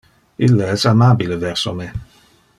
Ille es amabile verso me.